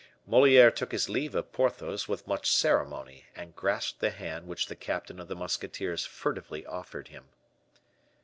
Moliere took his leave of Porthos with much ceremony, and grasped the hand which the captain of the musketeers furtively offered him.